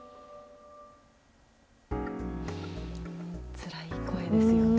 つらい声ですよね。